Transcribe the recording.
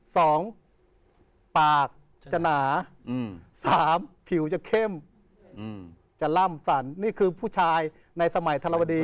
สองปากจะหนาอืมสามผิวจะเข้มอืมจะล่ำสั่นนี่คือผู้ชายในสมัยธรวดี